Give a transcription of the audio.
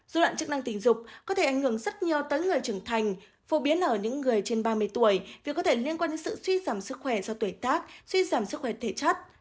dù đoạn chức năng tình dục có thể ảnh hưởng rất nhiều tới người trưởng thành phổ biến ở những người trên ba mươi tuổi vì có thể liên quan đến sự suy giảm sức khỏe do tuổi tác suy giảm sức khỏe thể chất